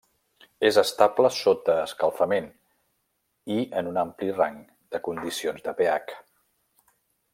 És estable sota escalfament i en un ampli rang de condicions de pH.